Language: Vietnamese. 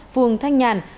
phường thanh nhàn